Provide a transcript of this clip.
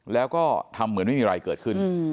แล้วก็ทำเหมือนไม่มีอะไรเกิดขึ้น